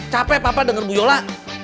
capek papa denger buyola